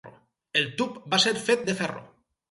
El tub va ser fet de ferro.